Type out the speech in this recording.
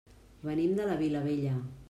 Venim de la Vilavella.